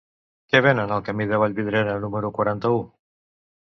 Què venen al camí de Vallvidrera número quaranta-u?